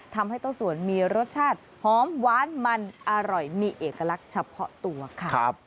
ทำให้เต้าสวนมีรสชาติหอมหวานมันอร่อยมีเอกลักษณ์เฉพาะตัวค่ะ